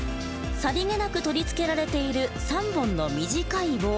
さりげなく取り付けられている３本の短い棒。